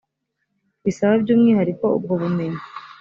bisaba by umwihariko ubwo bumenyi